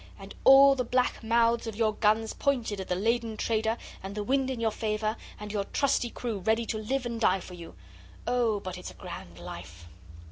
And all the black mouths of your guns pointed at the laden trader and the wind in your favour, and your trusty crew ready to live and die for you! Oh but it's a grand life!